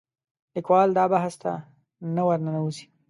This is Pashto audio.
لیکوال دا بحث ته نه ورننوځي